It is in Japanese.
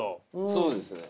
そうですね。